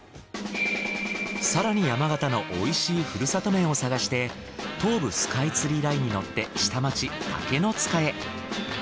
更に山形の美味しいふるさと麺を探して東武スカイツリーラインに乗って下町竹の塚へ。